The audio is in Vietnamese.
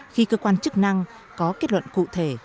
khi cơ quan chức năng có kết luận cụ thể